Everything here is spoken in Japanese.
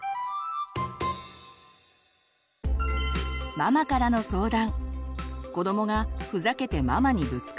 ママからの相談。